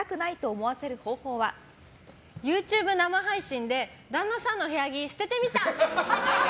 ＹｏｕＴｕｂｅ生配信で旦那さんの部屋着捨ててみた！